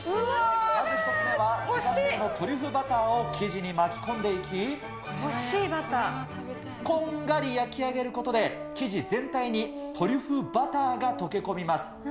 まず１つ目は自家製のトリュフバターを生地に巻き込んでいき、こんがり焼き上げることで、生地全体にトリュフバターが溶け込みます。